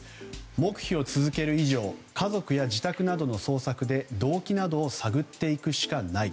黙秘を続ける以上家族や自宅などの捜索で動機などを探っていくしかない。